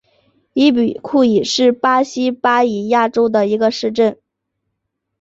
伊比库伊是巴西巴伊亚州的一个市镇。